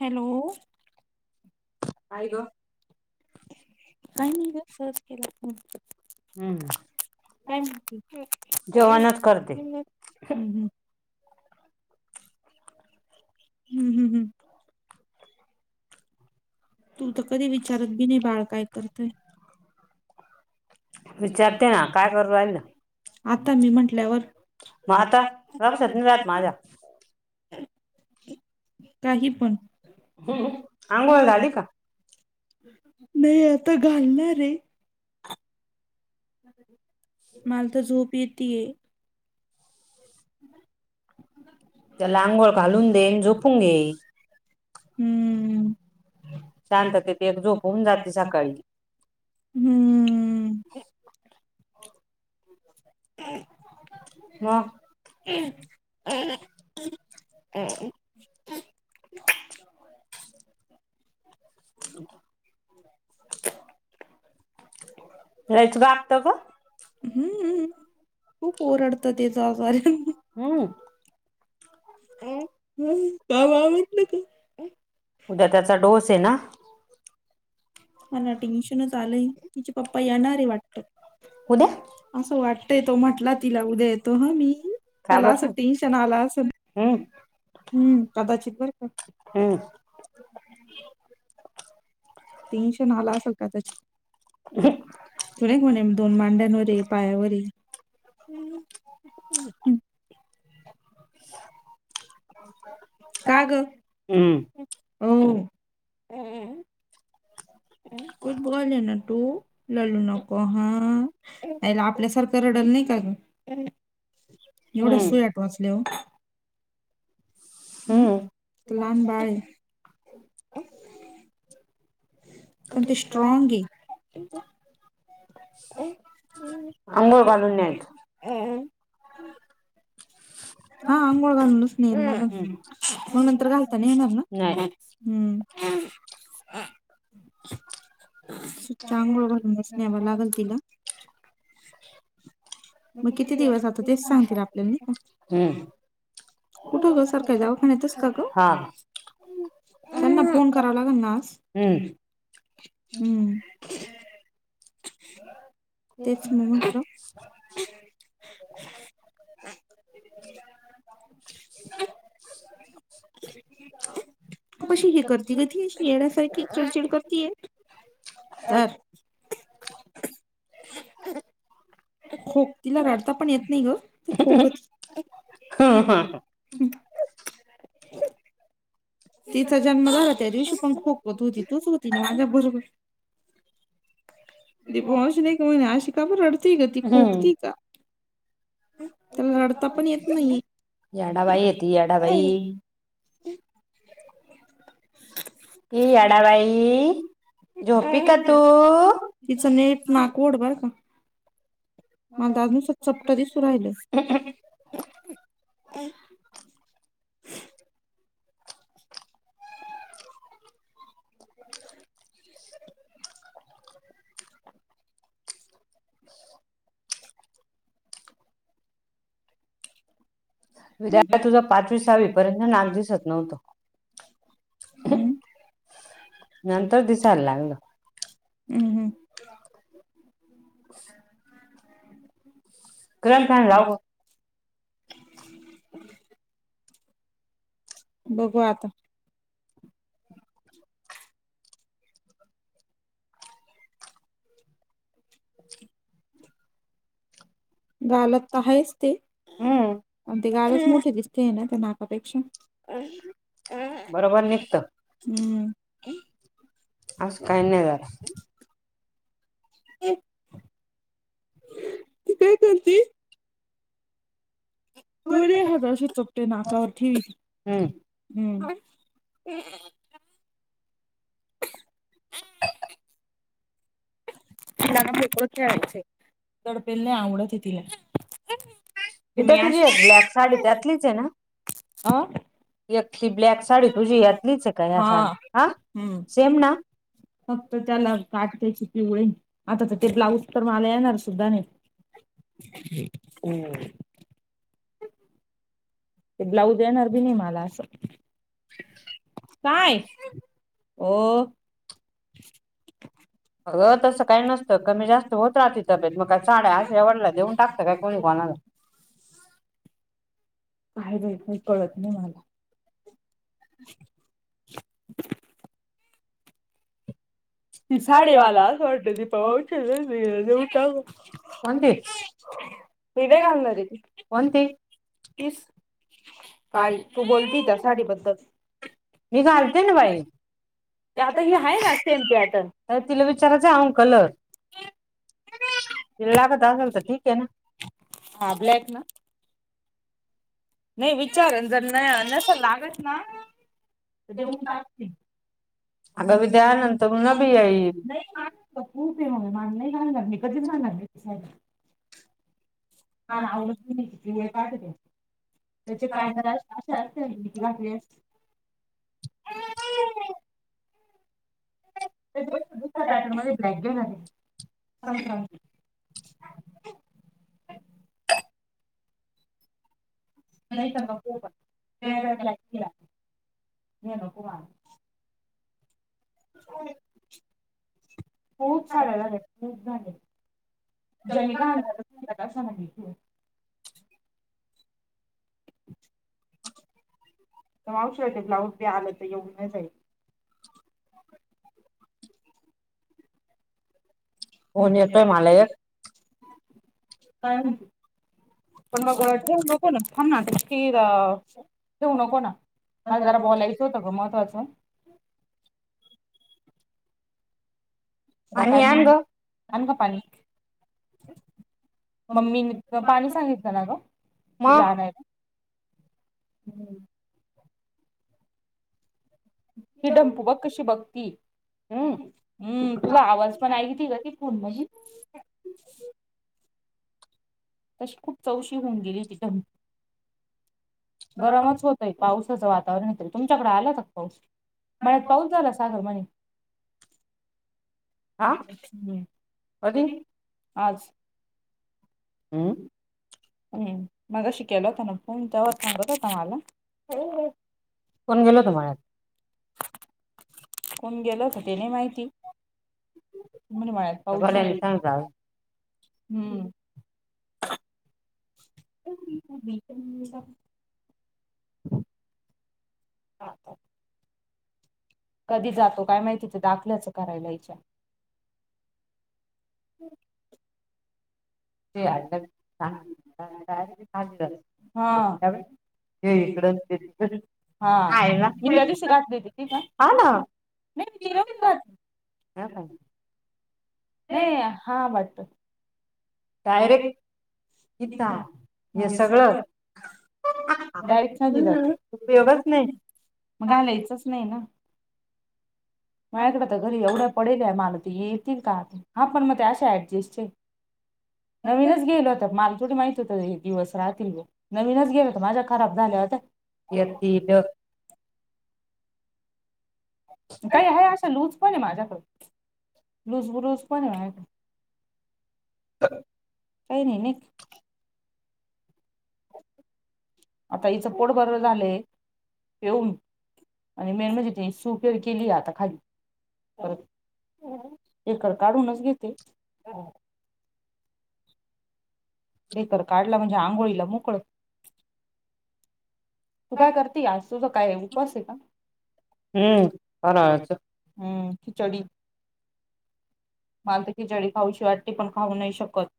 Hello काय गो का हम्म का हम् जेवणच करते हम् हम्म हम् हम्म हम हम्म. ह तू तर कधी विचारत बी नाही बाळ काय करतय विचारते ना काय करू विरो राहिलं आता मी म्हंटल्यावर मग आता बासात रात माझ्या [inaudible] काही पण आंघोळ झाली का नाही आता घालणार आहे माल तर झोप येतये त्याला अंघोळ घालून देईन झोपून घेई हम्म शांतते ते एक झोपवून जाते सकाळी हम्म ह मग हम् हम् हम् लयच रज गागत ग कू हम्मम्म खूप ओरडतं त्याचा आजार हम अ हम बा बा म्हटलं तू उद्या त्याचा डोस आहे ना ह ना टेन्शनच आलंय तिचे पप्पा येणार आहे वाटत उद्या असं वाटतय तो म्हटला तिला उद्या येतो ह मी का त्याला बर असं टेन्शन आलं असं हम्म हम्म कदाचित बर का हम्म तीन्शन आला असेल का त्याची तुलाक म्हणे दोन मांड्यांवर पायावर ह् हम् का ग हम्म हो. कुठ बल आहे ना तू ललू नको हाला आपल्यासारखं. करडल नाही का ग एवढ हम्म स्ट वाचले हो. हम्म लहान बाळी. त ते स्ट्रॉग आहे. अंघोळ घलून नेत. अ. हा आंघोळ घालूनच. हम्म मग नंतर घालताना येणार ना नाही हम्म. ह. अच्छा आंघोळ घालूनच न्यावं लागेल तिला. मग किती दिवस आता तेच सांगतील आपल्या नाही का. हम्म. कुठं ग सारखं दवाखान्यातच का ग. हा त्यांना फोन करावा लागल ना आज. हम्म हम्म तेच मी म्हटल. ह. [unintelligible] तू कशी ही कर. अगं ती अशी येड्यासारखी चिडचिड करतीय तर. [unintelligible] खोक तिला रडता पण येत नाही ग ती खोखत. तिचा जन्म झाला त्या दिवशी पण खूप. तू तिथेच होती ना माझ्या बरोबर ती [inaudible] वहिनी अशी का करते. का म रडते का ती हम्म खोकती का. त्याला रडता पण येत नाही. याडाबाई येते याडाबाई ए याडाबाई झोपी का तू तिचा नेट. नाक वड बर का मला ते चपट दिसू राहिलं. [unintelligible] हम्म विद्यार्थ तुझा पाचवी सहावी पर्यंत नाक दिसत नव्हतं. नंतर दिसायला लागल. हमं हं. गरम तेल लावग. [unintelligible] बघू आता. गालत तर आहेच ते हम्म आणि ते गालच मोठे दिसते आहे ना त्या नाकापेक्षा. अ अ बरोबर निघत हम्. अस का नाही. काय करती. तोरी हशी चपटे नाकावर ठीक हम्म हम्. [unintelligible] तिलाना मोकळं खेळायचं तडपेल नाही आवडत तिला. तुम विद्या तुझी एक ब्लॅक साडी त्यातलीच आहे ना अह. एकटी ब्लॅक साडी तुझी यातलीच आहे का ह्या हा साडी हा हम्म. सेम ना फक्त त्याला काठ त्या्यायची पिवळीआता तर ते ब्लाऊज तर मला येणार सुद्धा नाही. हम्. ते ब्लाऊज येणार बी नाही मला असं काय? होओ. अगं तसं काही [unintelligible] नसतं कमी जास्त होत राहते तब्येत मग काय का साड्या अशा वडला देऊन टाकतं काय कोणी कोणाला नसत. काय [unintelligible] कळत नाही मला. ती साडेवाला अस वाटते तीथं [unintelligible] कोणती [unintelligible] घालणारे ती. कोणती पीस. काळी तू बोलती त्या साडी बद्दल. मी घालते नायतर ना काय. बाई आता हि हाय ना सेम पॅटन. तर [unintelligible] कलर तिला लागत असेल तर ठीक हेना. हा ब्लॅक ना. नाही विचारन जर न नसल लागत ना तर देऊन टाक ती [unintelligible] अगं विद्या नंतर न बी आई खूप म माझं नाही घालणार कधीच घालणार नाही ती साडी. मला आवडतं बी नाही तिचे [unintelligible] त्याचे काढणार अशा असलं मी घातली असलं. त्याच्यापेक्षा दुसया पॅटर्न मध्ये ब्लॅक घेणारयं संक्रांती नाही तर नको पण वेगळा ब्लॅक [unintelligible] नको मार - - [inaudible] खूप साड्या झाल्या. खूप झाल्या. जानी घालणारत [unintelligible] अशा मध्ये मावशी आल, ब्लाऊज बी आलं तर येऊन घेवून जाईल. कोण येतय म्हणालय काय नाई पण मग [unintelligible] ठेऊ नको ना. मला जरा बोलायचं होतं ग महत्वाचं. आता काय आण आणि, ग आण ग पाणी. मम्मी मी तुला पाणी सांगितलं ना ग मग आणायला. हूं. ही डंपू बघ कशी बघती? हम्म हूं. तुला आवाज पण आहे कि [unintelligible] तशी खूप चौशी होऊन गेली तिथ. गरमच होतय. पावसाचं वातावरण होतय. तुमच्याकडे आलं का पाऊस? मळ्यात पाऊस झाला सागर म्हणे. हा हूं. कधी? आज. हम्म हूं. मगाशी केला होताना फोन तवाच सांगत होता मला. कोण गेलो होतो गेलं? मला [unintelligible] कोण गेल होते तेना माहिती मळ्यात. [unintelligible] सांगजा हूं. [unintelligible] [unintelligible] हां हां. कधी जातो काय माहिती ते दाखल्याच करायला इच्या? [inaudible] हा [unintelligible] हे इकड न ते तिथं. हा. मी त्या दिशी घातली ति का हा ना नाही मी [unintelligible] घात हा काय? नाही. हा वाटत. डायरेक्ट यता हे सगळं डायरक्ट उपयोगच नाही [unintelligible] मग घालायचंच नाही ना. म्याकडं तर घरी एवढ्या पडेल्या. मला ते येतील का? हा. पण मग ते अशा ऍडजस्टचे - - नवीनच गेलो होतं. मलाथोडी माहि - - एक दिवस राहतील ग. नवीनच गेल हो तर माझ्या खराब झाल्या होत्या. ये तल काय आहे असशालू पण आहे माझ्याकडे लुज बुलुज पण आहे माझ काही नाही न आता हचं पोट बर झालंय पेऊन आणि मेन म्हणजे तनी सूपेर केली आहे आता खाली एकर काढूनच घेते हे तर काढलं म्हणजे आंघोळीला मोकळं तू काय करती आज तुझा काय उपास हाय हम्म का फराळाचं हम्म खिचडी मला ती खिचडी खाऊ शी वाटते पण खाऊ नाही शकत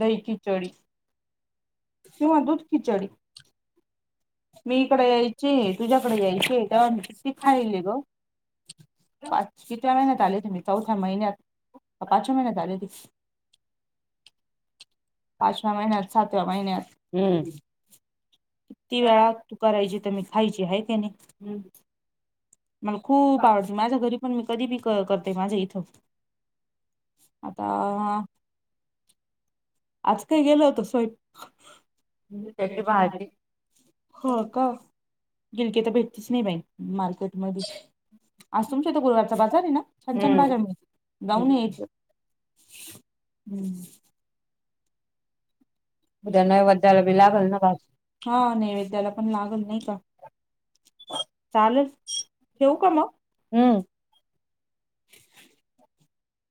दही खिचडी मी इकडे यायचे तुझ्याकडे यायचे तेव्हा ती खायले गं पाच कितव्या महिन्यात आलेते मी चौथ्या महिन्यात पाचव्या महिन्यात आले ते पाचव्या महिन्यात सातव्या महिन्यात हम्म किती वेळा तू करायची [inaudible] खायची आहे त्याने मला खूप आवडते माझ्या घरी पण मी कधी बी क करते माझ्या इथं आता आज काही केल होतं स्वयंपा त्याची भाजी हो का [inaudible] तर भेटतीच नाही बाई मार्केटमध्ये आज तुमच्या इथं गुरूवारचा बाजार आहे ना छान छान बाजार हम्म मिळतो जाऊन यायचं हम् उद्या [unintelligible] नैवेद्याला बी लागल ना भाजी. पण लागल नाही का चालेल ठेवू का हम्म. मग